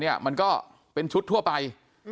มันก็เป็นชุดทั่วไป